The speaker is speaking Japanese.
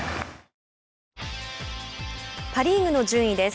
パ・リーグの順位です。